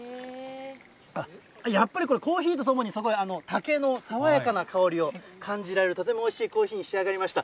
あっ、やっぱりこれ、コーヒーとともにすごい竹の爽やかな香りを感じられる、とてもおいしいコーヒーに仕上がりました。